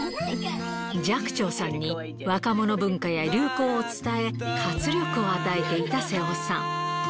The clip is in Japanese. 寂聴さんに若者文化や流行を伝え、活力を与えていた瀬尾さん。